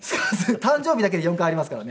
誕生日だけで４回ありますからね。